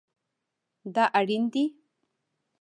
دا ریڼ دی